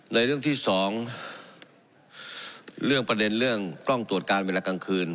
เรื่องที่สองเรื่องประเด็นเรื่องกล้องตรวจการเวลากลางคืน